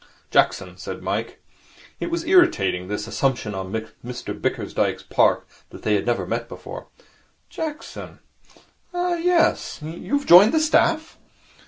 'Jackson,' said Mike. It was irritating, this assumption on Mr Bickersdyke's part that they had never met before. 'Jackson? Ah, yes. You have joined the staff?'